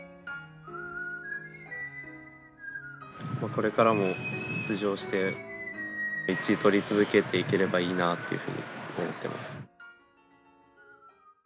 これからも出場して１位取り続けていければいいなというふうに思っています。